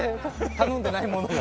頼んでないものが？